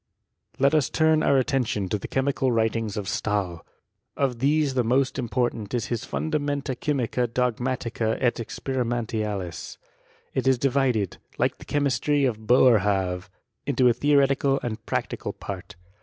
Let us turn our attention to the chemical writings of Stahl. Of these the most important is his Fuudameuta TitMRT IS cmzMiHTur, 253 Chymiee dogmaticffi et esperimentalis. It is divided, like the cherabtry of Boerhaave, into a theoretical and practical part.